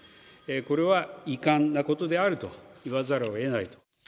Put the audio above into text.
これは遺憾なことであると言わざるをえないと。